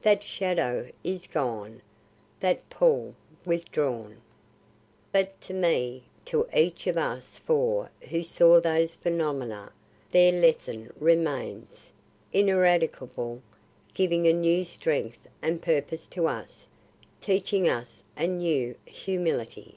That shadow is gone; that pall withdrawn. But to me to each of us four who saw those phenomena their lesson remains, ineradicable; giving a new strength and purpose to us, teaching us a new humility.